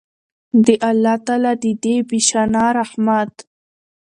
د الله تعالی د دې بې شانه رحمت